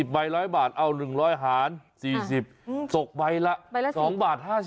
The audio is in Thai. ใบ๑๐๐บาทเอา๑๐๐หาร๔๐ตกใบละ๒บาท๕๐